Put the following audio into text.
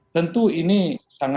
tentu ini sangat kita inginkan